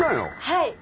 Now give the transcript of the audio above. はい。